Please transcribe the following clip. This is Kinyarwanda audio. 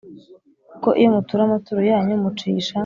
Kuko iyo mutura amaturo yanyu mucisha